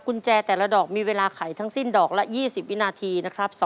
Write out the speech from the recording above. กุญแจแต่ละดอกมีเวลาไขทั้งสิ้นดอกละ๒๐วินาทีนะครับ